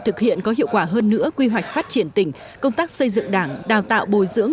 thực hiện có hiệu quả hơn nữa quy hoạch phát triển tỉnh công tác xây dựng đảng đào tạo bồi dưỡng